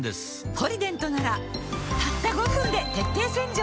「ポリデント」ならたった５分で徹底洗浄